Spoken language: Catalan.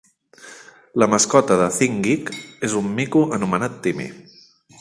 La mascota de ThinkGeek és un mico anomenat Timmy.